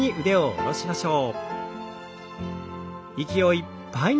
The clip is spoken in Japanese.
下ろしましょう。